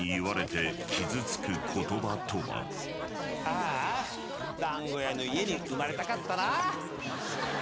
ああ団子屋の家に生まれたかったな。